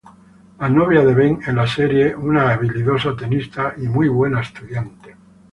La novia de Ben en la serie, una habilidosa tenista y muy buena estudiante.